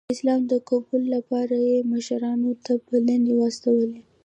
د اسلام د قبول لپاره یې مشرانو ته بلنې واستولې.